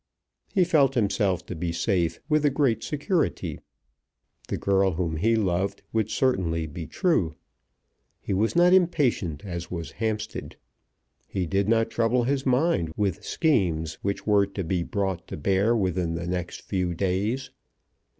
He felt himself to be safe, with a great security. The girl whom he loved would certainly be true. He was not impatient, as was Hampstead. He did not trouble his mind with schemes which were to be brought to bear within the next few days.